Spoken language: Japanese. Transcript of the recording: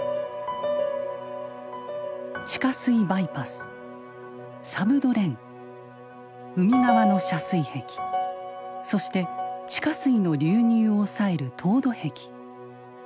地下水バイパスサブドレン海側の遮水壁そして地下水の流入を抑える凍土壁。